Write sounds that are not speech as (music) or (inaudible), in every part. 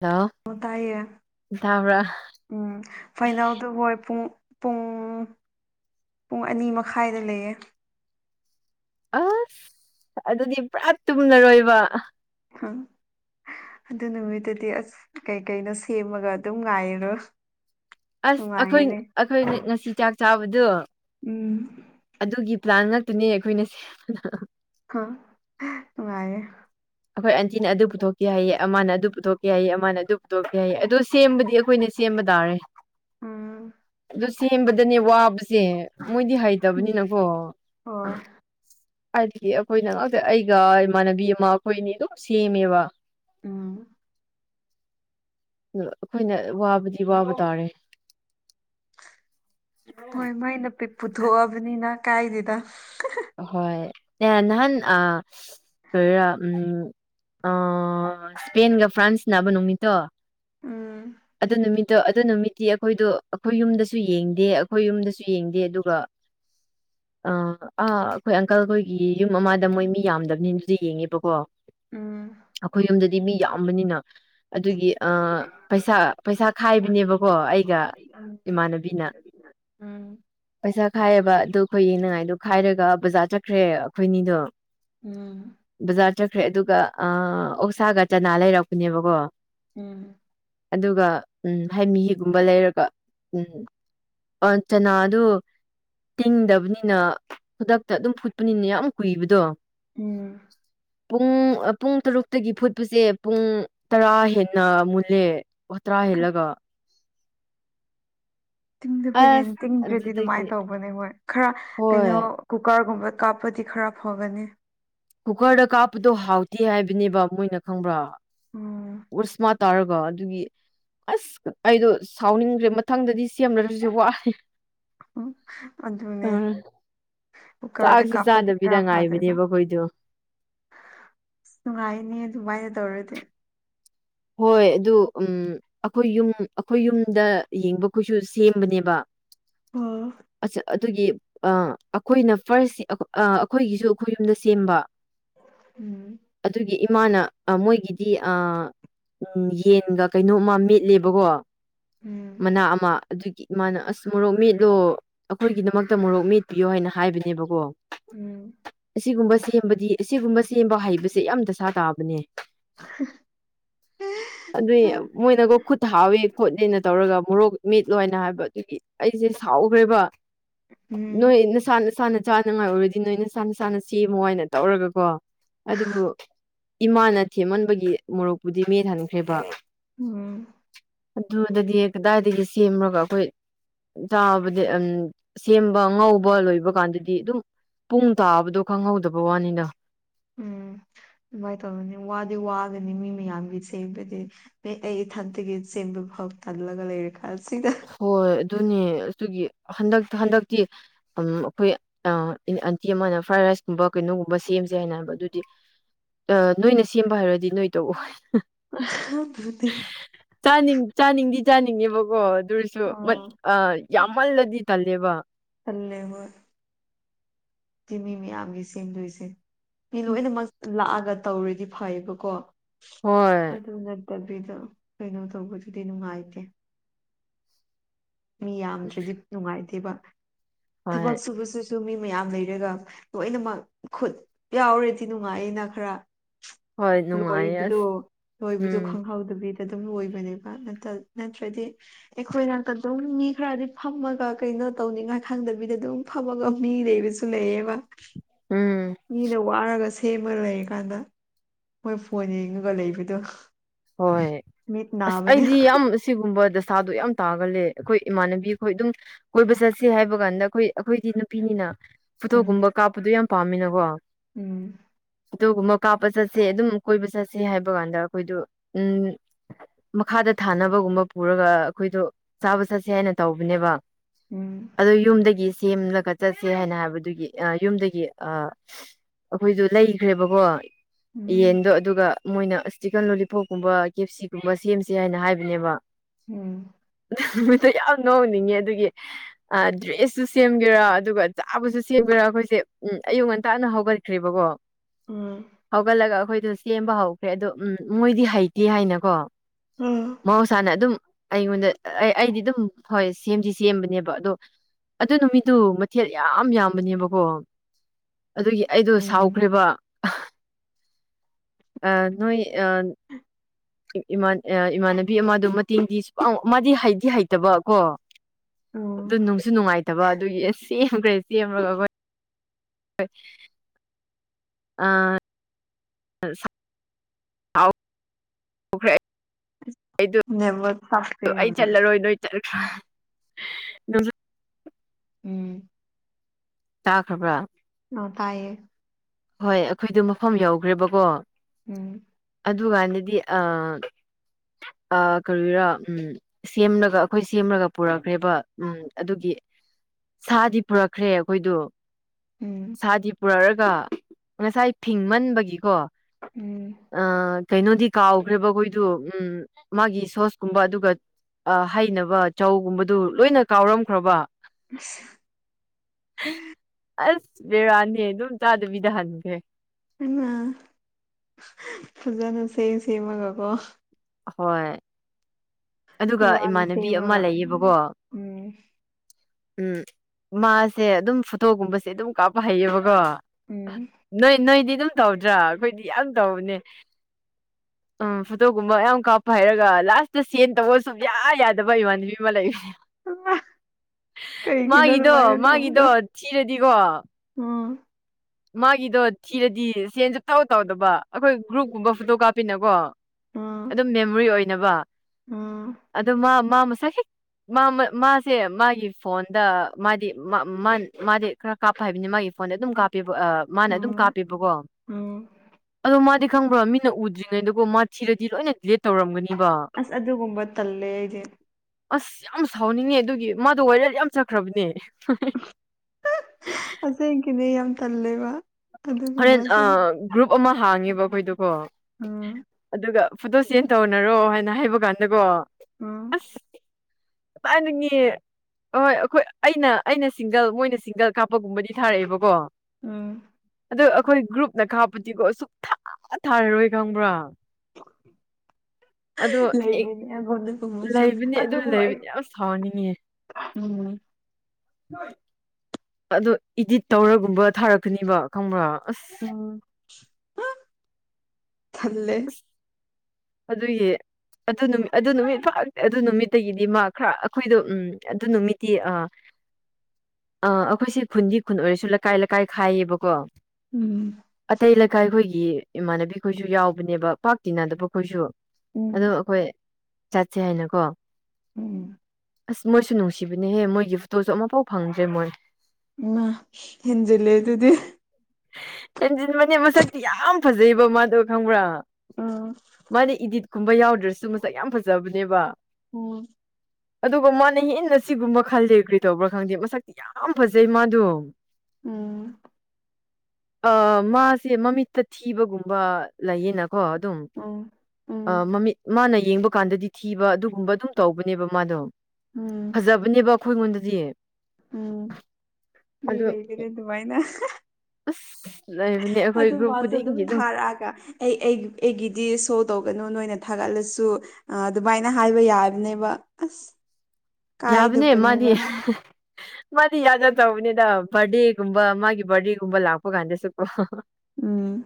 Hello ꯃ ꯇꯌꯦ ꯇꯥꯕ꯭ꯔꯥ ꯎꯝ ꯐꯩꯅꯥꯎꯗꯕꯨ ꯍꯣꯏ ꯄꯨꯡ ꯄꯨꯡ ꯄꯨꯡ ꯑꯅꯤ ꯃꯈꯥꯏꯗ ꯂꯩꯌꯦ ꯑꯁ ꯑꯗꯨꯗꯤ ꯄꯨꯔꯥ ꯇꯨꯝꯅꯔꯣꯏꯕ ꯊꯪ ꯑꯗꯨ ꯅꯨꯃꯤꯠꯇꯨꯗꯤ ꯑꯁ ꯀꯩ ꯀꯩꯅꯣ ꯁꯦꯝꯃꯒ ꯑꯗꯨꯝ ꯉꯥꯏꯔꯣ ꯑꯁ ꯑꯩꯈꯣꯏ ꯅꯨꯡꯉꯥꯏꯒꯅꯤ ꯑꯩꯈꯣꯏ ꯉꯁꯤ ꯆꯥꯛ ꯆꯥꯕꯗꯣ ꯎꯝ ꯑꯗꯨꯒꯤ ꯄ꯭ꯂꯥꯟ ꯉꯥꯛꯇꯅꯦ ꯑꯩꯈꯣꯏꯅꯁꯦ ꯑ ꯅꯨꯡꯉꯑꯦ ꯑꯩꯈꯣꯏ ꯑꯟꯇꯤꯅ ꯑꯗꯨ ꯄꯨꯊꯣꯛꯀꯦ ꯍꯥꯏꯏꯌꯦ ꯑꯃꯅ ꯑꯗꯨ ꯄꯨꯊꯣꯛꯀꯦ ꯍꯥꯏꯑꯌꯦ ꯑꯃꯅ ꯑꯗꯨ ꯄꯨꯊꯣꯛꯀꯦ ꯍꯥꯏꯏꯌꯦ ꯑꯗꯣ ꯁꯦꯝꯕꯗꯤ ꯑꯩꯈꯣꯏꯅ ꯁꯦꯝꯕ ꯇꯥꯔꯦ ꯎꯝ ꯑꯗꯨ ꯁꯦꯝꯕꯗꯅꯦ ꯋꯥꯕꯁꯦ ꯃꯣꯏꯗꯤ ꯍꯩꯇꯕꯅꯤꯅꯀꯣ ꯍꯣꯏ ꯍꯥꯏꯗꯤ ꯑꯩꯈꯣꯏꯅ ꯑꯩꯒ ꯏꯃꯥꯟꯅꯕꯤ ꯑꯃ ꯑꯩꯈꯣꯏꯅꯤ ꯑꯗꯨꯝ ꯁꯦꯝꯃꯦꯕ ꯎꯝ ꯑ ꯑꯩꯈꯣꯏꯅ ꯋꯥꯕꯗꯤ ꯋꯥꯕ ꯇꯥꯔꯦ ꯍꯣꯏ ꯃꯥꯏꯅ ꯄꯨꯊꯣꯛꯑꯕꯅꯤꯅ ꯀꯥꯏꯗꯦꯗ ꯍꯣꯏ ꯅꯥ ꯅꯍꯥꯟ ꯑ ꯈꯣꯏꯔꯥ ꯎꯝ ꯑꯥ ꯏꯁꯄꯦꯟꯒ ꯐ꯭ꯔꯥꯟꯁ ꯁꯥꯅꯕ ꯅꯨꯃꯤꯠꯇꯣ ꯎꯝ ꯑꯗꯨ ꯅꯨꯃꯤꯠꯇꯣ ꯑꯗꯨ ꯅꯨꯃꯤꯠꯇꯤ ꯑꯩꯈꯣꯏꯗꯣ ꯑꯩꯈꯣꯏ ꯌꯨꯝꯗꯁꯨ ꯌꯦꯡꯗꯦ ꯑꯩꯈꯣꯏ ꯌꯨꯝꯗꯁꯨ ꯌꯦꯡꯗꯦ ꯑꯗꯨꯒ (inaudible) ꯑꯥ ꯑ ꯑꯩꯈꯣꯏ ꯑꯪꯀꯜ ꯑꯩꯈꯣꯏꯒꯤ ꯌꯨꯝ ꯑꯃꯗ ꯃꯣꯏ ꯃꯤ ꯌꯥꯝꯗꯕꯅꯤꯅ ꯑꯗꯨꯗ ꯌꯦꯡꯉꯦꯕꯀꯣ ꯎꯝ ꯑꯩꯈꯣꯏ ꯌꯨꯝꯗꯗꯤ ꯃꯤ ꯌꯥꯝꯕꯅꯤꯅ ꯑꯗꯨꯒꯤ ꯑ ꯄꯩꯁꯥ ꯄꯩꯁꯥ ꯈꯥꯏꯕꯅꯦꯕꯀꯣ ꯑꯩꯒ ꯏꯃꯥꯟꯅꯕꯤꯅ ꯎꯝ ꯄꯩꯁꯥ ꯈꯥꯏꯌꯦꯕ ꯑꯗꯨ ꯑꯩꯈꯣꯏ ꯌꯦꯡꯅꯉꯥꯏꯗꫭ ꯈꯥꯏꯔꯒ ꯕꯖꯥꯔ ꯆꯠꯈ꯭ꯔꯦ ꯑꯩꯈꯣꯏꯅꯤꯗꯣ ꯎꯝ ꯕꯖꯥꯔ ꯆꯠꯈ꯭ꯔꯦ ꯑꯗꯨꯒ ꯑꯥ ꯑꯣꯛꯁꯥꯒ ꯆꯅꯥ ꯂꯩꯔꯛꯄꯅꯦꯕꯀꯣ ꯎꯝ ꯑꯗꯨꯒ ꯎꯝ ꯍꯩ ꯃꯥꯍꯤꯒꯨꯝꯕ ꯂꯩꯔꯒ ꯎꯝ ꯑꯥ ꯆꯅꯥꯗꯨ ꯇꯤꯡꯗꯕꯅꯤꯅ ꯈꯨꯗꯛꯇ ꯑꯗꯨꯝ ꯐꯨꯠꯄꯅꯤꯅ ꯌꯥꯝ ꯀꯨꯏꯕꯗꯣ ꯎꯝ ꯄꯨꯡ ꯄꯨꯡ ꯇꯔꯨꯛꯇꯒꯤ ꯐꯨꯠꯄꯁꯦ ꯄꯨꯡ ꯇꯔꯥ ꯍꯦꯟꯅ ꯃꯨꯜꯂꯦ ꯑꫭ ꯇꯔꯥ ꯍꯦꯜꯂꯒ ꯇꯤꯡꯗ ꯐꯩꯒꯅꯤ ꯑꯁ ꯇꯤꯡꯗ꯭ꯔꯗꯤ ꯑꯗꯨꯗꯒꯤ ꯑꯗꯨꯃꯥꯏꯅ ꯇꯧꯕꯅꯦ ꯍꯣꯏ ꯈꯔ ꯀꯩꯅꯣ ꯍꯣꯏ ꯀꯨꯀꯔꯒꯨꯝꯕ ꯀꯥꯞꯄꯗꯤ ꯈꯔ ꯐꯒꯅꯤ ꯀꯨꯀꯔꯗ ꯀꯥꯞꯄꯗꯣ ꯍꯥꯎꯇꯦ ꯍꯥꯏꯕꯅꯦꯕ ꯃꯣꯏꯅ ꯈꯪꯕ꯭ꯔꯥ ꯎꯝ ꯎꯁꯃꯥꯠ ꯇꯥꯔꯒ ꯑꯗꯨꯒꯤ ꯑꯁ ꯑꯩꯗꯣ ꯁꯥꯎꯅꯤꯡꯈ꯭ꯔꯦ ꯃꯊꯪꯗꯗꯤ ꯁꯦꯝꯅꯔꫭꯏꯁꯦ ꯋꯥꯏ ꯎꯝ ꯑꯗꯨꯅꯦ ꯀꯨꯀꯔꯗꯥ ꯆꯥꯛꯁꯨ ꯀꯥꯞꯄꯗꯤ ꯆꯥꯗꯕꯤꯗ ꯈꯔ ꯐꯥꯗꯨꯏꯕꯥ ꯉꯥꯏꯕꯅꯦꯕ ꯑꯩꯈꯣꯏꯗꯣ ꯑꯁ ꯅꯨꯡꯉꯥꯏꯅꯦ ꯑꯗꯨꯃꯥꯏꯅ ꯇꯧꯔꯗꯤ ꯍꯣꯏ ꯑꯗꯨ ꯎꯝ ꯑꯩꯈꯣꯏ ꯌꯨꯝ ꯑꯩꯈꯣꯏ ꯌꯨꯝꯗ ꯌꯦꯡꯕꯈꯣꯏꯁꯨ ꯁꯦꯝꯕꯅꯦꯕ ꯑꯣ ꯑꯆꯥꯠ ꯑꯗꯨꯒꯤ ꯑꯥ ꯑꯩꯈꯣꯏꯅ ꯐꯥꯔꯁ ꯑꯩꯈꯣꯏꯒꯤꯁꯨ ꯑꯩꯈꯣꯏ ꯌꯨꯝꯗ ꯁꯦꯝꯕ ꯎꯝ ꯑꯗꯨꯒꯤ ꯏꯃꯥꯅ ꯃꯣꯏꯒꯤꯗꯤ ꯑꯥ ꯎꯝ ꯌꯦꯟꯒ ꯀꯩꯅꯣꯝꯃ ꯃꯦꯠꯂꯦꯕꯀꯣ ꯎꯝ ꯃꯅꯥ ꯑꯃ ꯑꯗꯨꯒꯤ ꯃꯥꯅ ꯑꯁ ꯃꯣꯔꯣꯛ ꯃꯦꯠꯂꯣ ꯑꯩꯈꯣꯏꯒꯤꯗꯃꯛꯇ ꯃꯣꯔꯣꯛ ꯃꯦꯠꯄꯤꯌꯣ ꯍꯥꯏꯅ ꯍꯥꯏꯕꯅꯦꯕꯀꯣ ꯎꯝ ꯑꯁꯤꯒꯨꯝꯕ ꯁꯦꯝꯕꯗꯤ ꯑꯁꯤꯒꯨꯝꯕ ꯁꯦꯝꯕ ꯍꯩꯕꯁꯦ ꯌꯥꯝ ꯗꯁꯥ ꯇꯥꯕꯅꯦ ꯍ (unintelligible) ꯑꯗꯨ ꯃꯣꯏꯅꯀꫭ ꯈꯨꯠ ꯍꯥꯎꯋꯦ ꯈꯣꯠꯅꯦꯅ ꯇꯧꯔꯒ ꯃꯣꯔꯣꯛ ꯃꯤꯠꯂꯣꯅ ꯍꯥꯏꯕ ꯑꯗꯨꯒꯤ ꯑꯩꯁꯦ ꯁꯥꯎꯈ꯭ꯔꯦꯕ ꯎꯝ ꯅꯣꯏ ꯅꯁꯥ ꯅꯁꯥꯅ ꯆꯥꯅꯉꯥꯏ ꯑꯣꯏꯔꯗꯤ ꯅꯣꯏ ꯅꯁꯥ ꯅꯁꯥꯅ ꯁꯦꯃꯣ ꯍꯥꯏꯅ ꯇꯧꯔꯒꯀꯣ ꯑꯗꯨꯕꯨ ꯏꯃꯥꯅ ꯊꯦꯝꯃꯟꯕꯒꯤ ꯃꯣꯔꯣꯛꯄꯨꯗꯤ ꯃꯦꯠ ꯍꯟꯈ꯭ꯔꯦꯕ ꯎꯝ ꯑꯗꯨꯗꯗꯤ ꯀꯗꯥꯏꯗꯒꯤ ꯁꯦꯝꯃꯒ ꯑꯩꯈꯣꯏ ꯆꯥꯕꯗꯤ ꯑꯝ ꯁꯦꯝꯕ ꯉꯧꯕ ꯂꯣꯏꯕ ꯀꯥꯟꯗꯗꯤ ꯑꯗꯨꯝ ꯄꯨꯡ ꯇꯥꯕꯗꯣ ꯈꯪꯍꯧꯗꯕ ꯋꯥꯅꯤꯅ ꯎꯝ ꯑꯗꯨꯃꯥꯏꯅ ꯇꯧꯔꯅꯤ ꯋꯥꯗꯤ ꯋꯥꯒꯅꯤ ꯃꯤ ꯃꯌꯥꯝꯒꯤ ꯁꯦꯝꯕꯗꯤ ꯑꯩ ꯏꯊꯟꯇꯒꯤ ꯁꯦꯝꯕ ꯐꯥꯎ ꯇꯜꯂꯒ ꯂꯩꯔ ꯀꯥꯟꯁꯤꯗ ꯍꯣꯏ ꯑꯗꯨꯅꯦ ꯑꯗꯨꯒꯤ ꯍꯟꯗꯛꯇ ꯍꯟꯗꯛꯇꯤ ꯑꯝ ꯑꯩꯈꯣꯏ ꯑꯟꯇꯤ ꯑꯃꯅ ꯐ꯭ꯔꯥꯏ ꯔꯥꯏꯁꯀꯨꯝꯕ ꯀꯩꯅꯣꯒꯨꯝꯕ ꯁꯦꯝꯁꯦ ꯍꯥꯏꯅꯕꯗꯨꯗꯤ ꯑ ꯅꯣꯏꯅ ꯁꯦꯝꯕ ꯍꯥꯏꯔꯗꯤ ꯅꯣꯏ ꯇꯧꯑꯣ ꯑ (unintelligible) ꯑꯗꯨꯗꯤ ꯆꯥꯅꯤꯡ ꯆꯥꯅꯤꯡꯗꯤ ꯆꯥꯅꯤꯡꯉꯦꯕꯀꯣ ꯑꯗꯨ ꯑꯣꯢꯔꯁꯨ ꯃꯠ ꯑꯥ ꯑ ꯌꯥꯝꯃꯜꯂꯗꯤ ꯇꯜꯂꯦꯕ ꯇꯜꯂꯦ ꯍꯣꯢ ꯁꯤ ꯃꯤ ꯃꯌꯥꯝꯒꯤ ꯁꯦꯝꯗꯣꯏꯁꯦ ꯃꯤ ꯂꯣꯏꯅꯃꯛ ꯂꯥꯛꯑꯒ ꯇꯧꯔꯗꯤ ꯐꯩꯌꯦꯕꯀꯣ ꯍꯣꯏ ꯑꯗꯨ ꯅꯠꯇꯕꯤꯗ ꯀꯩꯅꯣ ꯇꯧꯕꯗꯨꯗꯤ ꯅꯨꯡꯉꯥꯏꯇꯦ ꯃꯤ ꯌꯥꯝꯗ꯭ꯔꯗꯤ ꯅꯨꯡꯉꯥꯏꯇꯦꯕ ꯍꯣꯏ ꯊꯕꯛ ꯁꯨꯕꯁꯨ ꯑꯗꯨ ꯃꯤ ꯃꯌꯥꯝ ꯂꯩꯔꯒ ꯂꯣꯏꯅꯃꯛ ꯈꯨꯠ ꯌꯥꯎꯔꯗꯤ ꯅꯨꯡꯉꯥꯏꯌꯦꯅ ꯈꯔ ꯍꯣꯏ ꯅꯨꯡꯉꯥꯏꯌꯦ ꯂꯣꯏꯕꯗꯣ ꯑꯁ ꯂꯣꯏꯕꯗꯣ ꯎꯝ ꯈꯪꯍꯧꯗꯕꯤꯗ ꯑꯗꯨꯝ ꯂꯣꯏꯕꯅꯦꯕ ꯅꯠꯇ ꯅꯠꯇ꯭ꯔꯗꯤ ꯑꯩꯈꯣꯏ ꯅꯥꯛꯇ ꯑꯗꯨꯝ ꯃꯤ ꯈꯔꯗꯤ ꯐꯝꯃꯒ ꯀꯩꯅꯣ ꯇꯧꯅꯤꯉꯥꯏ ꯈꯪꯗꯕꯤꯗ ꯑꯗꯨꯝ ꯐꯝꯃꯒ ꯃꯤ ꯂꯩꯕꯁꯨ ꯂꯩꯌꯦꯕ ꯎꯝ ꯃꯤꯅ ꯋꯥꯔꯒ ꯁꯦꯝꯃ ꯂꯩꯔꯀꯥꯟꯗ ꯃꯣꯏ ꯐꯣꯟ ꯌꯦꯡꯉꯒ ꯂꯩꯕꯗꯣ ꯍꯣꯏ ꯃꯤꯠ ꯑꯁ ꯅꯥꯕꯅꯦ ꯑꯩꯗꯤ ꯌꯥꯝ ꯁꯤꯒꯨꯝꯕ ꯗꯁꯥꯗꯣ ꯌꯥꯝ ꯇꯥꯒꯜꯂꯦ ꯑꯩꯈꯣꯏ ꯏꯃꯥꯟꯅꯕꯤ ꯈꯣꯏ ꯑꯗꯨꯝ ꯀꯣꯏꯕ ꯆꯠꯁꯦ ꯍꯥꯏꯕ ꯀꯥꯟꯗ ꯑꯩꯈꯣꯏ ꯑꯩꯈꯣꯏꯗꯤ ꯅꯨꯄꯤꯅꯤꯅ ꯐꯣꯇꯣ ꯎꯝ ꯀꯨꯝꯕ ꯀꯥꯞꯄꯗꯨ ꯌꯥꯝ ꯄꯥꯝꯃꯤꯅꯀꯣ ꯎꯝ ꯑꯗꯨꯒꯨꯝꯕ ꯀꯥꯞꯄ ꯆꯠꯁꯦ ꯑꯗꯨꯝ ꯀꯣꯏꯕ ꯆꯠꯁꯦ ꯍꯥꯏꯕ ꯀꯥꯟꯗ ꯑꯩꯈꯣꯏꯗꯨ ꯎꯝ ꯃꯈꯥꯗ ꯊꯥꯅꯕꯒꯨꯝꯕ ꯄꯨꯔꯒ ꯑꯩꯈꯣꯏꯗꯣ ꯆꯥꯕ ꯆꯠꯁꯦ ꯍꯥꯏꯅ ꯇꯧꯕꯅꯦꯕ ꯎꯝ ꯑꯗꯨ ꯌꯨꯝꯗꯒꯤ ꯁꯦꯝꯂꯒ ꯆꯠꯁꯦ ꯍꯥꯏꯅ ꯍꯥꯏꯕꯗꯨꯒꯤ ꯌꯨꯝꯗꯒꯤ ꯑ ꯑꯩꯈꯣꯏꯗꯣ ꯂꯩꯈ꯭ꯔꯦꯕꯀꯣ ꯎꯝ ꯌꯦꯟꯗꯣ ꯑꯗꯨꯒ ꯃꯣꯏꯅ ꯆꯤꯀꯟ ꯂꯣꯂꯤ ꯄꯣꯠꯀꯨꯝꯕ ꯀꯦꯞꯁꯤꯒꯨꯝꯕ ꯁꯦꯝꯁꯦ ꯍꯥꯏꯅ ꯍꯥꯏꯕꯅꯦꯕ ꯎꯝ ꯍꯨꯢꯇ ꯌꯥꯝ ꯅꯣꯛꯅꯤꯡꯉꯦ ꯑꯗꯨꯒꯤ ꯑ ꯗ꯭ꯔꯦꯁꯁꯨ ꯁꯦꯝꯒꯦꯔꯥ ꯑꯗꯨꯒ ꯆꯥꯕꯁꯨ ꯁꯦꯝꯒꯦꯔꯥ ꯑꯩꯈꯣꯏꯁꯦ ꯎꯝ ꯑꯌꯨꯛ ꯉꯟꯇꯥꯅ ꯍꯧꯒꯠ ꯈ꯭ꯔꯤꯕꯒꯣ ꯑꯥ ꯍꯧꯒꯠꯂꯒ ꯑꯩꯈꯣꯏꯗꯣ ꯁꯦꯝꯕ ꯍꯧꯈ꯭ꯔꯦ ꯑꯗꯣ ꯎꯝ ꯃꯣꯏꯗꯤ ꯍꯩꯇꯦ ꯍꯥꯏꯅꯀꯣ ꯎꯝ ꯃꯍꯧꯁꯥꯅ ꯑꯗꯨꯝ ꯑꯩꯉꯣꯟꯗ ꯑꯩꯗꯤ ꯑꯗꯨꯝ ꯍꯣꯏ ꯁꯦꯝꯗꯤ ꯁꯦꯝꯕꯅꯦꯕ ꯑꯗꯣ ꯑꯗꯨ ꯅꯨꯃꯤꯠꯇꯨ ꯃꯊꯦꯜ ꯌꯥꯝ ꯌꯥꯝꯕꯅꯦꯕꯀꯣ ꯑꯗꯨꯒꯤ ꯑꯩꯗꯣ ꯎꯝ ꯁꯥꯎꯈ꯭ꯔꯦꯕ ꯑꯥ ꯅꯣꯏ ꯑꯥ (unintelligible) ꯏꯃꯥꯟꯅꯕꯤ ꯑꯃꯗꯣ ꯃꯇꯦꯡꯗꯤ ꯁꯨꯡ ꯃꯥꯗꯤ ꯍꯩꯗꯤ ꯍꯩꯇꯕ ꯀꯣ ꯎꯝ ꯑꯗꯨ ꯅꯨꯡꯁꯨ ꯅꯨꯡꯉꯥꯏꯇꯕ ꯑꯗꯨꯒꯤ ꯑꯦꯁ ꯁꯦꯝꯈ꯭ꯔꯦ ꯁꯦꯝꯔꯒ ꯑꯩꯈꯣꯏ ꯍ (unintelligible) ꯑꯥ (unintelligible) (unintelligible) ꯑꯩ ꯆꯠꯂꯔꯣꯏ ꯅꯣꯏ ꯆꯠꯈ꯭ꯔꯥ ꯎꯝ ꯇꯥꯈ꯭ꯔꯕ꯭ꯔꯥ ꯑ ꯇꯥꯏꯌꯦ꯫ ꯍꯣꯏ ꯑꯩꯈꯣꯏꯗꯣ ꯃꯐꯝ ꯌꯧꯈ꯭ꯔꯦꯕꯀꯣ ꯎꯝ ꯑꯗꯨꯀꯥꯟꯗꯗꯤ ꯑ ꯑ ꯀꯔꯤꯔꯥ ꯎꯝ ꯁꯦꯝꯂꯒ ꯑꯩꯈꯣꯏ ꯁꯦꯝꯂꯒ ꯄꯨꯔꯛꯈ꯭ꯔꯦꯕ ꯎꯝ ꯑꯗꯨꯒꯤ꯫ ꯁꯥꯗꯤ ꯄꯨꯔꯛꯈ꯭ꯔꯦ ꯑꯩꯈꯣꯏꯗꯣ ꯎꯝ ꯁꯥꯗꯤ ꯄꯨꯔꯛꯑꯒ ꯉꯁꯥꯏ ꯐꯤꯡꯃꯟꯕꯒꯤꯀꯣ ꯎꯝ ꯑ ꯀꯩꯅꯣꯗꯤ ꯀꯥꯎꯈ꯭ꯔꯦꯕ ꯑꯩꯈꯣꯏꯗꯨ ꯎꯝ ꯃꯥꯒꯤ ꯁꯣꯁꯀꯨꯝꯕ ꯑꯗꯨꯒ ꯑ ꯍꯩꯅꯕ ꯆꯧꯒꯨꯝꯕꯗꯨ ꯂꯣꯏꯅ ꯀꯥꯎꯔꯝꯈ꯭ꯔꯕ ꯑꯁ ꯑꯁ ꯕꯦꯔꯥꯅꯤ ꯑꯗꯨꯝ ꯆꯥꯗꯕꯤꯗ ꯍꯟꯈꯔ꯭ꯦ꯫ ꯑꯩꯅ ꯐꯖꯅ ꯁꯦꯝ ꯁꯦꯝꯃꯒꯀꯣ ꯑꯍꯣꯏ ꯑꯗꯨꯒ ꯋꯥꯅ ꯏꯃꯥꯟꯅꯕꯤ ꯑꯃ ꯁꯦꯝꯃꯒ ꯂꯩꯌꯦꯕꯀꯣ ꯎꯝ ꯎꯝ ꯃꯥꯁꯦ ꯑꯗꯨꯝ ꯐꯣꯇꯣꯒꯨꯝꯕꯁꯦ ꯑꯗꯨꯝ ꯀꯥꯞꯄ ꯍꯩꯌꯦꯕꯀꯣ ꯎꯝ ꯅꯣꯏ ꯅꯣꯏꯗꯤ ꯑꯗꯨꯝ ꯇꯧꯗ꯭ꯔꯥ ꯑꯩꯈꯣꯏꯗꯤ ꯌꯥꯝ ꯇꯧꯕꯅꯦ ꯎ ꯐꯣꯇꯣ ꯒꯨꯝꯕ ꯌꯥꯝꯌꯥꯝ ꯀꯥꯞꯄ ꯍꯥꯏꯔꯒ ꯂꯥꯁꯇ ꯁꯦꯟ ꯇꯧꯕ ꯁꯨꯝ ꯌꯥ ꯌꯥꯗꯕ ꯏꯃꯥꯟꯅꯕꯤ ꯑꯃ ꯂꯩꯕꯦ꯫ ꯀꯩꯒꯤꯅꯣ ꯅꯨꯡꯉꯥꯏꯔꯦ ꯃꯥꯒꯤꯗꯣ ꯇꯥꯧꯕꯗꯣ ꯊꯤꯔꯗꯤꯀꯣ ꯎꯝ (inaudible) ꯃꯥꯒꯤꯗꯣ ꯊꯤꯔꯗꯤ ꯁꯦꯟ ꯆꯞ ꯊꯥꯎ ꯇꯧꯗꯕ ꯑꯩꯈꯣꯏ ꯒ꯭ꯔꯨꯞꯀꯨꯝꯕ ꯐꯣꯇꯣ ꯀꯥꯞꯄꯤꯅꯀꯣ ꯎꯝ ꯑꯗꯨꯝ ꯃꯦꯃꯣꯔꯤ ꯑꯣꯏꯅꯕ ꯎꯝ ꯑꯗꯣ ꯃꯥ ꯃꯥ ꯃꯁꯥꯏ ꯍꯦꯛ ꯃꯥ ꯃꯥꯁꯦ ꯃꯥꯒꯤ ꯐꯣꯟꯗ ꯃꯥꯗꯤ ꯃꯥꯗꯤ ꯈꯔ ꯀꯥꯞ ꯍꯥꯏꯕꯅꯤ ꯃꯥꯒꯤ ꯐꯣꯟꯗ ꯑꯗꯨꯝ ꯀꯥꯞꯄ ꯕ ꯃꯥꯅ ꯑꯗꯨꯝ ꯎꯝ ꯀꯥꯞꯄꯦꯕꯀꯣ ꯎꯝ ꯑꯗꯣ ꯃꯥꯗꯤ ꯈꯪꯕ꯭ꯔꯣ ꯃꯤꯅ ꯎꯗ꯭ꯔꯤꯉꯩꯗꯨꯒꯣ ꯊꯦꯔꯗꯤ ꯂꯣꯏꯅ ꯗꯤꯂꯦꯠ ꯇꯧꯔꯝꯒꯅꯤꯕ꯫ ꯑꯁ ꯑꯗꯨꯒꯨꯝꯕ ꯇꯜꯂꯦ ꯑꯩꯗꯤ꯫ ꯑꯁ ꯌꯥꯝ ꯁꯥꯎꯅꯤꯡꯉꯦ ꯑꯗꯨꯒꯤ ꯃꯥꯗꯣ ꯋꯥꯔꯜ ꯌꯥꯝ ꯆꯠꯈ꯭ꯔꯕꯅꯦ꯫ ꯑꯁꯤꯁꯦꯡꯒꯤꯅꯦ ꯌꯥꯝ ꯇꯜꯂꯦꯕ ꯍꯣꯔꯦꯟ ꯑꯗꯨꯒꯨꯝꯕꯁꯦ ꯒ꯭ꯔꯨꯞ ꯑꯃ ꯍꯥꯡꯉꯦꯕ ꯑꯩꯈꯣꯏꯗꯀꯣ ꯎꯝ ꯑꯗꯨꯒ ꯐꯣꯇꯣ ꯆꯦꯟ ꯇꯧꯅꯔꯣ ꯍꯥꯏꯅ ꯍꯥꯏꯕ ꯀꯥꯟꯗꯀꯣ ꯎꯝ ꯑꯁ ꯀꯗꯥꯏꯗꯒꯤ꯫ ꯑꯍꯣꯏ ꯑꯩꯈꯣꯏ ꯑꯩꯅ ꯑꯩꯅ ꯁꯤꯡꯒꯜ ꯃꯣꯏꯅ ꯁꯤꯡꯒꯜ ꯀꯥꯞꯄꯒꯨꯝꯕꯗꯤ ꯊꯥꯔꯛꯑꯦꯕꯀꯣ ꯎꯝ ꯑꯗ ꯑꯩꯈꯣꯏ ꯒ꯭ꯔꯨꯞꯅ ꯀꯥꯞꯄꯗꯤꯀꯣ ꯑꯁꯨꯛ ꯊꯥ ꯊꯥꯔꯔꯣꯏ ꯈꯪꯕ꯭ꯔꯥ ꯑꯗꯣ (inaudible) ꯂꯩꯔꯤꯅꯦꯉꯣꯟꯗꯒꯨꯝꯕꯁꯨ ꯂꯩꯕꯅꯦ ꯑꯗꯨ ꯑꯗꯨꯕꯨ ꯑꯩ ꯂꯩꯕꯅꯦ ꯌꯥꯝ ꯁꯥꯎꯅꯤꯡꯉꯦ ꯎꯝ (inaudible) ꯑꯗꯣ ꯏꯗꯤꯠ ꯇꯧꯔꯒꯨꯝꯕ ꯊꯥꯔꯛꯀꯅꯤꯕ ꯈꯪꯕ꯭ꯔꯥ ꯑꯁ ꯊꯜꯂꯦ꯫ ꯑꯗꯨ ꯌꯦ꯫ ꯑꯗꯨ ꯅꯨꯠ ꯑꯗꯨ ꯅꯨꯃꯤꯠ ꯑꯗꯨ ꯅꯨꯃꯤꯠꯇꯒꯤꯗꯤ ꯃꯥ ꯈꯔ ꯑꯩꯈꯣꯏꯗꯣ ꯎꯝ ꯑꯗꯨ ꯅꯨꯃꯤꯠꯇꯤ ꯑ (inaudible) ꯑꯥ ꯑꯩꯈꯣꯏꯁꯤ ꯈꯨꯟꯒꯤ ꯈꯨꯟ ꯑꯣꯏꯔꯁꯨ ꯂꯩꯀꯥꯏ ꯂꯩꯀꯥꯏ ꯈꯥꯏꯌꯦꯕꯀꯣ ꯎꯝ ꯑꯇꯩ ꯂꯩꯀꯥꯏꯈꯣꯏꯒꯤ ꯏꯃꯥꯟꯅꯕꯤ ꯈꯣꯏꯁꯨ ꯌꯥꯎꯕꯅꯦꯕ ꯄꯥꯛ ꯇꯤꯟꯅꯗꯕ ꯈꯣꯏꯁꯨ ꯑꯗꯣ ꯎꯝ ꯑꯩꯈꯣꯏ ꯆꯠꯁꯦ ꯍꯥꯏꯅꯀꯣ ꯎꯝ ꯑꯁ ꯃꯣꯏꯁꯨ ꯅꯨꯡꯁꯤꯕꯅꯦꯍꯦ ꯃꯣꯏꯒꯤ ꯐꯣꯇꯣꯁꯨ ꯑꯃꯐꯥꯎ ꯐꯪꯗ꯭ꯔꯦ ꯃꯣꯏ ꯃꯥ ꯍꯦꯟꯖꯤꯜꯂꯦ ꯑꯗꯨꯗꯤ ꯍꯦꯟꯖꯤꯟꯕꯅꯦ ꯃꯁꯛꯇꯤ ꯌꯥꯝ ꯐꯖꯩꯕ ꯃꯥꯗꯣ ꯈꯪꯕ꯭ꯔꯥ ꯎꯝ ꯃꯥꯗꯤ ꯏꯗꯤꯠꯀꯨꯝꯕ ꯌꯥꯎꯗ꯭ꯔꯁꯨ ꯃꯁꯛ ꯌꯥꯝ ꯐꯖꯕꯅꯦꯕ ꯎꯝ ꯑꯗꯨꯒ ꯃꯥꯅ ꯍꯦꯟꯅ ꯁꯤꯒꯨꯝꯕ ꯈꯜꯂꯦ ꯀꯔꯤ ꯇꯧꯕ꯭ꯔꯥ ꯈꯪꯗꯦ ꯃꯁꯛꯇꯤ ꯌꯥꯝ ꯐꯖꯩ ꯃꯥꯗꯣ ꯎꯝ ꯑꯥ ꯃꯥꯁꯦ ꯃꯃꯤꯠꯇ ꯊꯤꯕꯒꯨꯝꯕ ꯂꯩꯌꯦꯅꯀꯣ ꯑꯗꯨꯝ ꯑꯣ ꯑꯥ ꯃꯃꯤꯠ ꯃꯥꯅ ꯌꯦꯡꯕ ꯀꯥꯟꯗꯗꯤ ꯊꯤꯕ ꯑꯗꯨꯒꯨꯝꯕ ꯑꯗꯨꯝ ꯇꯧꯕꯅꯦꯕ ꯃꯥꯗꯣ ꯎꯝ ꯐꯖꯕ ꯕꯅꯦꯕ ꯑꯩꯈꯣꯏ ꯑꯩꯉꯣꯟꯗꯗꯤ ꯎꯝ ꯃꯤ ꯂꯩ ꯑꯗꯣ ꯂꯩꯔꯦ ꯑꯗꯨꯃꯥꯏꯅ ꯑꯁ ꯂꯩꯕꯅꯦ ꯑꯩꯈꯣꯏ ꯑꯗꯨ ꯒ꯭ꯔꯨꯞ ꯃꯥꯁꯨ ꯑꯗꯨꯝ ꯈꯨꯗꯤꯡꯒꯤ ꯊꯥꯔꯛꯑꯒ ꯑꯩ ꯑꯩ ꯑꯩꯒꯤꯗꯤ ꯁꯣ ꯇꯧꯒꯅꯨ ꯅꯣꯏꯅ ꯊꯥꯒꯠꯂꯁꯨ ꯑꯗꯨꯃꯥꯏꯅ ꯍꯥꯏꯕ ꯌꯥꯕꯅꯦꯕ ꯑꯁ ꯌꯥꯕꯅꯦ ꯃꯥꯗꯤ ꯀꯥꯏꯗꯕꯅꯦꯕ (inaudible) ꯃꯥꯗꯤ ꯌꯥꯗ ꯇꯧꯕꯅꯤꯗ ꯕꯥꯔꯗꯦꯒꯨꯝꯕ ꯃꯥꯒꯤ ꯕꯥꯔꯗꯦꯒꯨꯝꯕ ꯂꯥꯛꯄ ꯀꯥꯟꯗꯁꯨꯀꯣ ꯎꯝ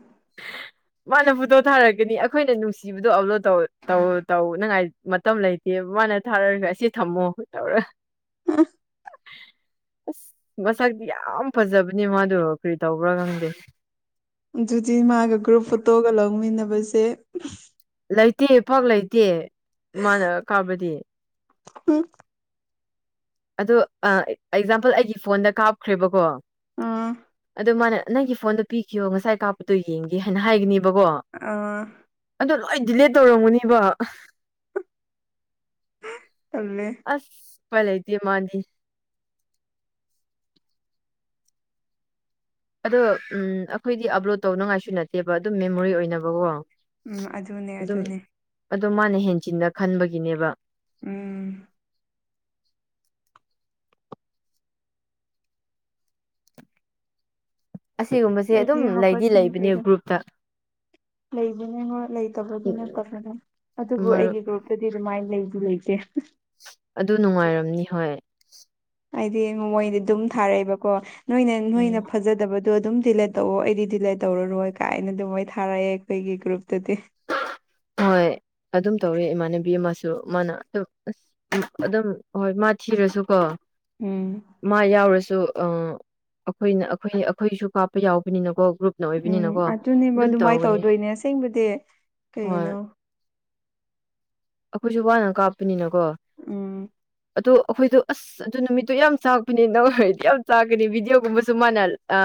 ꯃꯥꯅ ꯐꯣꯇꯣ ꯊꯥꯔꯛꯒꯅꯤ ꯑꯩꯈꯣꯏꯅ ꯅꯨꯡꯁꯤꯕꯗꯣ ꯑꯞꯂꯣꯗꯧ ꯇꯧ ꯇꯧꯅꯉꯥꯏ ꯃꯇꯝ ꯂꯩꯇꯦ ꯃꯥꯅ ꯊꯥꯔꯒ ꯑꯁꯤ ꯊꯝꯃꯣ ꯇꯧꯔꯒ ꯎꯝ ꯑꯁ ꯃꯁꯛꯇꯤ ꯌꯥꯝ ꯐꯖꯕꯅꯦ ꯃꯥꯗꯨꯣ ꯀꯔꯤ ꯇꯧꯕ꯭ꯔꯥ ꯈꯪꯗꯦ ꯑꯗꯨꯗꯤ ꯃꯥꯒ ꯒ꯭ꯔꯨꯞ ꯐꯣꯇꯣꯒ ꯂꯧꯃꯤꯟꯅꯕꯁꯦ ꯂꯩꯇꯦ ꯄꯥꯛ ꯂꯩꯇꯦ ꯃꯥꯅ ꯀꯕꯗꯤ ꯎꯝ ꯑꯗꯣ ꯑꯦꯛꯖꯥꯝꯄꯜ ꯑꯩꯒꯤ ꯐꯣꯟꯗ ꯀꯥꯞꯈ꯭ꯔꯦꯕꯀꯣ ꯑꯥ ꯑꯗꯨ ꯃꯥꯅ ꯅꯪꯒꯤ ꯐꯣꯟꯗꯣ ꯄꯤꯈꯤꯌꯣ ꯉꯁꯥꯏ ꯀꯥꯞꯄꯗꯣ ꯌꯦꯡꯒꯦ ꯍꯥꯏꯅ ꯍꯥꯏꯒꯅꯤꯕꯀꯣ ꯑꯥ ꯑꯗꯨ ꯂꯣꯏ ꯗꯤꯂꯦꯠ ꯇꯧꯔꯝꯒꯅꯤꯕ ꯇꯜꯂꯦ ꯑꯁ ꯎꯄꯥꯏ ꯂꯩꯇꯦ ꯃꯥꯗꯤ ꯑꯗꯣ ꯎꯝ ꯑꯩꯈꯣꯏꯗꯤ ꯑꯞꯂꯣꯗ ꯇꯧꯅꯤꯉꯥꯏꯁꯨ ꯅꯠꯇꯦꯕ ꯑꯗꯨꯝ ꯃꯦꯃꯣꯔꯤ ꯑꯣꯏꯅꯕꯀꯣ ꯎꯝ ꯑꯗꯨꯅꯦ ꯑꯗꯨꯝ ꯑꯗꯨꯅꯦ ꯑꯗꯣ ꯃꯥꯅ ꯍꯦꯟꯆꯤꯟꯅ ꯈꯟꯕꯒꯤꯅꯦꯕ ꯎꯝ ꯑꯁꯤꯒꯨꯝꯕꯁꯦ ꯑꯗꯨꯝ ꯑꯩꯗꯤ ꯂꯩꯗꯤ ꯂꯩꯕꯅꯦ ꯍꯧꯒꯠꯅꯤꯡꯗꯔꯦꯗ ꯒ꯭ꯔꯨꯞꯇ ꯂꯩꯕꯅꯦꯉꯣ ꯂꯩꯇꯕꯗꯨꯅꯦ ꯇꯧꯁꯟꯂꯦ ꯑꯗꯨꯕꯨ ꯃꯔꯨꯞ ꯑꯩꯒꯤ ꯒ꯭ꯔꯨꯞ ꯇꯥꯗꯤ ꯑꯗꯨꯃꯥꯏꯅ ꯂꯩꯗꯤ ꯂꯩꯇꯦ ꯑꯗꯨ ꯅꯨꯡꯉꯥꯏꯔꯝꯅꯤ ꯍꯣꯏ ꯍꯥꯏꯗꯤ ꯃꯣꯏꯗꯤ ꯑꯗꯨꯝ ꯊꯥꯔꯛꯑꯦꯕꯀꯣ ꯅꯣꯏꯅ ꯎꯝ ꯅꯣꯏꯅ ꯐꯖꯗꯕꯗꯣ ꯑꯗꯨꯝ ꯗꯤꯜꯂꯦꯠ ꯇꯧꯑꯣ ꯑꯩꯗꯤ ꯗꯤꯂꯦꯠ ꯇꯧꯔꯔꯣꯏ ꯀꯥꯏꯅ ꯑꯗꯨꯝ ꯃꯣꯏ ꯊꯥꯔꯛꯑꯦ ꯑꯩꯈꯣꯏꯒꯤ ꯒ꯭ꯔꯨꯞꯇꯗꯤ ꯍꯣꯏ ꯑꯗꯨꯝ ꯇꯧꯋꯦ ꯏꯃꯥꯟꯅꯕꯤ ꯑꯃꯁꯨ ꯑ ꯃꯥꯅ ꯑ ꯑꯁ ꯑꯗꯨꯝ ꯍꯣꯏ ꯃꯥ ꯊꯤꯔꯁꯨ ꯀꯣ ꯎꯝ ꯃꯥ ꯌꯥꯎꯔꯁꯨ ꯑ ꯑꯩꯈꯣꯏꯅ ꯑꯩꯈꯣꯏ ꯑꯩꯈꯣꯏꯁꯨ ꯀꯥꯞꯄ ꯌꯥꯎꯕꯅꯤꯅꯀꯣ ꯒ꯭ꯔꯨꯞ ꯎꯝ ꯑꯗꯨꯅꯦꯕ ꯑꯗꯨꯃꯥꯏꯅ ꯇꯧꯗꯣꯏꯅꯦ ꯑꯁꯦꯡꯕꯗꯤ ꯍꯣꯏ ꯀꯩꯅꯣ ꯑꯩꯈꯣꯏꯁꯨ ꯋꯥꯅ ꯀꯥꯞꯄꯅꯤꯅ ꯀꯣ ꯎꯝ ꯑꯗꯣ ꯑꯩꯈꯣꯏꯗꯣ ꯑꯁ ꯑꯗꯨ ꯅꯨꯃꯤꯠꯇꯨ ꯌꯥꯝ ꯆꯥꯛꯄꯅꯤ ꯅ ꯍꯩꯗꯤ ꯌꯥꯝ ꯆꯥꯛꯀꯅꯤ ꯚꯤꯗꯤꯑꯣꯒꯨꯝꯕꯁꯨ ꯃꯥꯅ ꯑ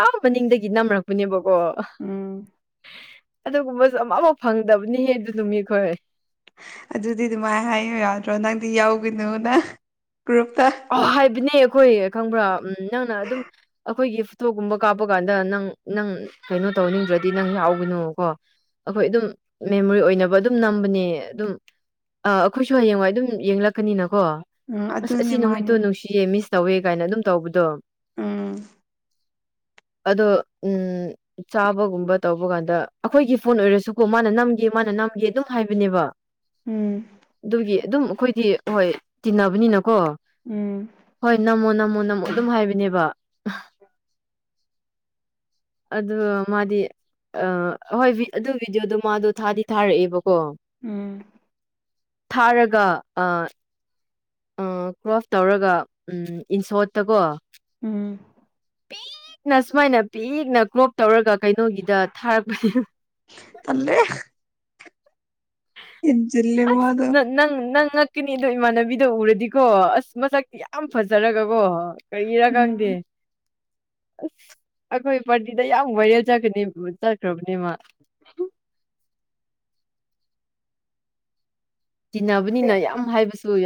ꯑ ꯃꯅꯤꯡꯗꯒꯤ ꯅꯝꯔꯛꯄꯅꯦꯕꯀꯣ ꯎꯝ ꯑꯗꯨꯒꯨꯝꯕ ꯑꯃ ꯑꯃ ꯐꯪꯗꯕꯅꯤꯍꯦ ꯑꯗꯨ ꯅꯨꯃꯤꯠꯈꯔꯦ ꯑꯗꯨꯗꯤ ꯑꯗꯨꯃꯥꯏꯅ ꯍꯥꯏꯌꯨ ꯌꯥꯗ꯭ꯔꯣ ꯅꯪꯗꯤ ꯌꯥꯎꯒꯅꯣꯅ ꯒ꯭ꯔꯨꯞꯇ ꯑ ꯍꯥꯏꯕꯅꯦ ꯑꯩꯈꯣꯏ ꯈꯪꯕ꯭ꯔꯥ ꯎꯝ ꯅꯪꯅ ꯑꯗꯨꯝ ꯑꯩꯈꯣꯏꯒꯤ ꯐꯇꯣꯒꯨꯝꯕ ꯀꯥꯞꯄ ꯀꯥꯟꯗ ꯅꯪ ꯅꯪ ꯀꯩꯅꯣ ꯇꯧꯅꯤꯡꯗ꯭ꯔꯗꯤ ꯅꯪ ꯌꯥꯎꯒꯅꯣꯀꯣ ꯑꯩꯈꯣꯏ ꯑꯗꯨꯝ ꯃꯦꯃꯣꯔꯤ ꯑꯣꯏꯅꯕ ꯑꯗꯨꯝ ꯅꯝꯕꯅꯦ ꯑꯗꯨꯝ ꯑꯥ ꯑꯩꯈꯣꯏꯁꯨ ꯍꯌꯦꯡꯋꯥꯏ ꯑꯗꯨꯝ ꯌꯦꯡꯂꯛꯀꯅꯤꯅꯀꯣ ꯎꯝ ꯑꯁ ꯑꯁꯤ ꯑꯗꯨꯅꯦ ꯅꯨꯃꯤꯠꯇꯣ ꯃꯥꯅꯦ ꯅꯨꯡꯁꯤꯌꯦ ꯃꯤꯁ ꯇꯧꯋꯦ ꯀꯥꯏꯅ ꯑꯗꯨꯝ ꯇꯧꯕꯗꯣ ꯎꯝ ꯑꯗꯣ ꯎꯝ ꯆꯥꯕꯒꯨꯝꯕ ꯇꯧꯕ ꯀꯥꯟꯗ ꯑꯩꯈꯣꯏꯒꯤ ꯐꯣꯟ ꯑꯣꯏꯔꯁꯨꯀꯣ ꯃꯥꯅ ꯅꯝꯒꯦ ꯃꯥꯅ ꯅꯝꯒꯦ ꯑꯗꯨꯝ ꯍꯥꯏꯕꯅꯦꯕ ꯎꯝ ꯑꯗꯨꯒꯤ ꯑꯗꯨꯝ ꯑꯩꯈꯣꯏꯗꯤ ꯍꯣꯏ ꯇꯤꯟꯅꯕꯅꯤꯅꯀꯣ ꯎꯝ ꯍꯣꯏ ꯅꯝꯃꯣ ꯅꯝꯃꯣ ꯅꯝꯃꯣ ꯑꯗꯨꯝ ꯍꯥꯏꯕꯅꯦꯕ (inaudible) ꯑꯗ ꯃꯥꯗꯤ ꯑ ꯍꯣꯏ ꯑꯗꯨ ꯚꯤꯗꯤꯑꯣꯗꯣ ꯃꯥꯗꯣ ꯊꯥꯗꯤ ꯊꯥꯔꯛꯑꯦꯕꯀꯣ ꯎꯝ ꯊꯥꯔꯒ ꯑ ꯀ꯭ꯔꯣꯐ ꯇꯧꯔꯒ ꯎꯝ ꯏꯟꯁꯣꯠꯇꯀꯣ ꯎꯝ ꯄꯤꯛꯅ ꯁꯨꯃꯥꯏꯅ ꯄꯤꯛꯅ ꯀ꯭ꯔꯣꯞ ꯇꯧꯔꯒ ꯀꯩꯅꯣꯒꯤꯗ ꯊꯥꯔꯛꯄꯁ ꯇꯜꯂꯦ ꯍꯦꯟꯖꯤꯜꯂꯦ ꯃꯥꯗꯣ ꯅꯪ ꯅꯪ ꯅꯪ ꯉꯛꯀꯅꯤ ꯑꯗꯣ ꯏꯃꯥꯟꯅꯕꯤꯗꯣ ꯎꯔꯗꯤꯀꯣ ꯑꯁ ꯃꯁꯛꯇꯤ ꯌꯥꯝ ꯐꯖꯔꯒꯀꯣ ꯀꯩꯔꯥ ꯈꯪꯗꯦ ꯑꯁ ꯑꯩꯈꯣꯏ ꯄꯥꯔꯇꯤꯗ ꯌꯥꯝ ꯕꯥꯏꯔꯦꯜ ꯆꯠꯀꯅꯤ ꯆꯠꯈ꯭ꯔꯕꯅꯦꯃꯥ ꯇꯤꯟꯅꯕꯅꯤꯅ ꯌꯥꯝ ꯍꯥꯏꯕꯁ